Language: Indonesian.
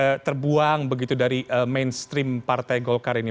dan akhirnya terbuang begitu dari mainstream partai golkar ini